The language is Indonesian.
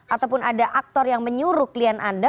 ataupun ada aktor yang menyuruh klien anda